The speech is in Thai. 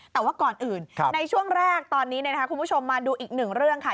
แต่ว่าก่อนอื่นในช่วงแรกตอนนี้คุณผู้ชมมาดูอีกหนึ่งเรื่องค่ะ